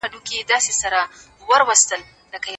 آیا د ښځو لپاره ځانګړې ورځ وټاکل سوه؟